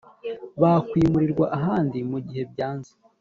bakwimurirwa ahandi mu gihe byanze.